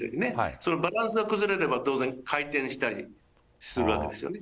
そのバランスが崩れれば、当然、回転したりするわけですよね。